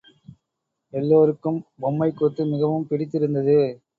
எல்லாருக்கும் பொம்மைக்கூத்து மிகவும் பிடித்திருந்தது.